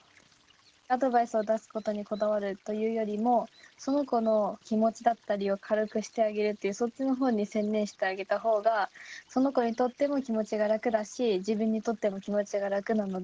アドバイスを出すことにこだわるというよりもその子の気持ちだったりを軽くしてあげるっていうそっちの方に専念してあげた方がその子にとっても気持ちが楽だし自分にとっても気持ちが楽なので。